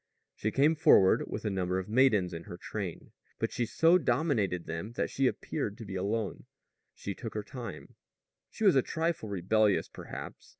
She came forward with a number of maidens in her train, but she so dominated them that she appeared to be alone. She took her time. She was a trifle rebellious, perhaps.